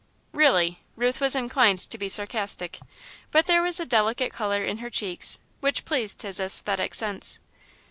"Really?" Ruth was inclined to be sarcastic, but there was a delicate colour in her cheeks, which pleased his aesthetic sense.